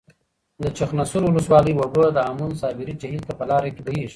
د چخانسور ولسوالۍ اوبه د هامون صابري جهیل ته په لاره کې بهیږي.